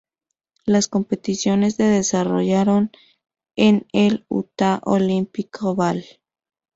Las competiciones se desarrollaron en el Utah Olympic Oval.